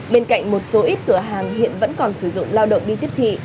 bên cạnh một số ít cửa hàng hiện vẫn còn sử dụng lao động đi tiếp thị